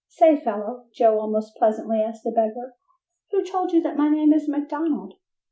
"Say, fellow," Joe almost pleasantly asked the beggar, "who told you that my name is McDonald?"